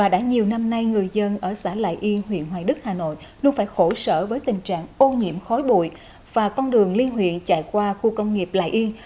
đã nhiều năm nay người dân ở xã lại yên huyện hoài đức hà nội luôn phải khổ sở với tình trạng ô nhiễm khói bụi và con đường liên huyện chạy qua khu công nghiệp lại yên